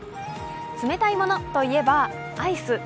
冷たいものといえば、アイス。